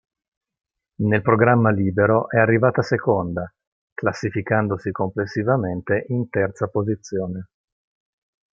Nel programma libero è arrivata seconda, classificandosi complessivamente in terza posizione.